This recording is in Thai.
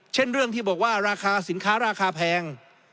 เช่นเรื่องที่บอกว่าราคาสินค้าราคาแพง